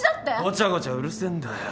ごちゃごちゃうるせえんだよ。